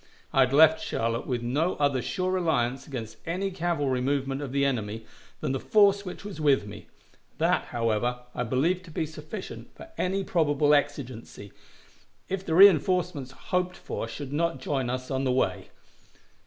I had left Charlotte with no other sure reliance against any cavalry movement of the enemy than the force which was with me; that, however, I believed to be sufficient for any probable exigency, if the reënforcements hoped for should not join us on the way.